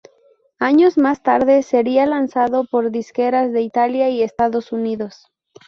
Años más tarde sería lanzado por disqueras de Italia y Estados Unidos.